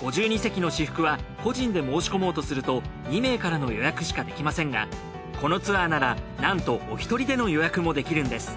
５２席の至福は個人で申し込もうとすると２名からの予約しかできませんがこのツアーならなんとおひとりでの予約もできるんです。